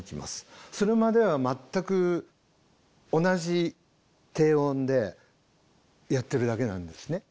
それまでは全く同じ低音でやってるだけなんですね。